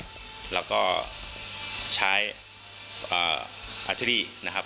คือเราก็ใช้อาธิษฐรีนะครับ